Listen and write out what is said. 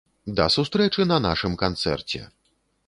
Да сустрэчы на нашым канцэрце!